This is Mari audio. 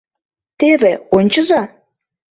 Теве, ончыза...